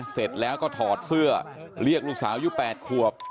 เสร็จแล้วก็ถอดเสื้อเรียกลูกสาวยุค๘ขวบ